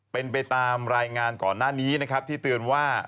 เป็นไปตามรายงานก่อนหน้านี้นะครับที่เตือนว่า